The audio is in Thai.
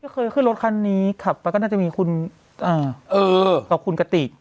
เคยขึ้นรถคันนี้ขับไปก็น่าจะมีคุณกับคุณกติก